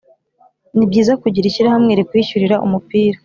Ni byiza kugira ishyirahamwe likwishyulira umupira.